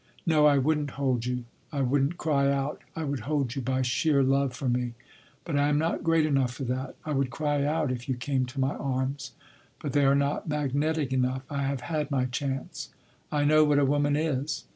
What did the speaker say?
No, I wouldn’t hold you. I wouldn’t cry out. I would hold you by sheer love for me—but I am not great enough for that. I would cry out if you came to my arms, but they are not magnetic enough. I have had my chance. I know what a woman is.